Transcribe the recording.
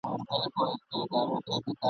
بیا به دي په لوبو کي رنګین امېل شلېدلی وي ..